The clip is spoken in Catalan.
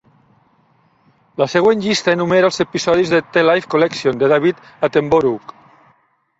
La següent llista enumera els episodis de "The Life Collection", de David Attenborough.